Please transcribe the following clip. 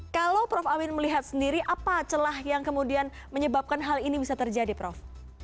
kalau prof awin melihat sendiri apa celah yang kemudian menyebabkan hal ini bisa terjadi prof